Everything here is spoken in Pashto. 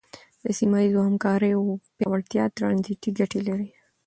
د سیمه ییزو همکاریو پیاوړتیا ترانزیټي ګټې لري.